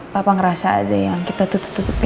pasel nih kayak gimana dari apa